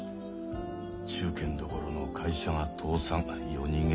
中堅どころの会社が倒産夜逃げ。